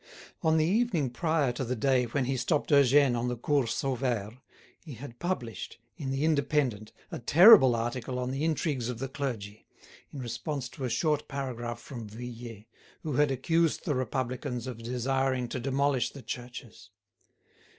On the evening prior to the day when he stopped Eugène on the Cours Sauvaire, he had published, in the "Indépendant," a terrible article on the intrigues of the clergy, in response to a short paragraph from Vuillet, who had accused the Republicans of desiring to demolish the churches.